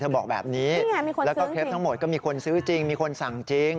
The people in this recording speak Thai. บอกแบบนี้แล้วก็คลิปทั้งหมดก็มีคนซื้อจริงมีคนสั่งจริง